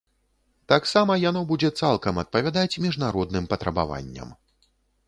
Таксама яно будзе цалкам адпавядаць міжнародным патрабаванням.